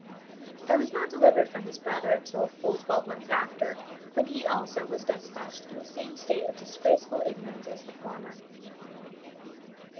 I was not delivered from his brother till full twelve months after, when he also was despatched in the same state of disgraceful ignorance as the former.